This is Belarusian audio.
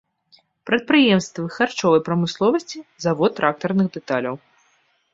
Прадпрыемствы харчовай прамысловасці, завод трактарных дэталяў.